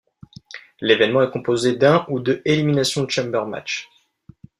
L'événement est composé d'un ou deux Elimination Chamber match.